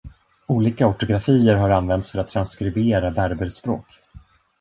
Olika ortografier har använts för att transkribera Berberspråk.